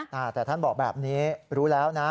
แต่ท่านบอกแบบนี้รู้แล้วนะ